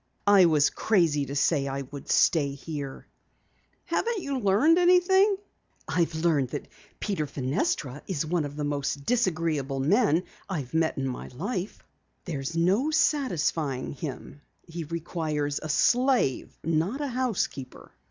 I was crazy to say I would stay here." "Haven't you learned anything?" "I've learned that Peter Fenestra is one of the most disagreeable men I ever met in my life! There's no satisfying him. He requires a slave, not a housekeeper!"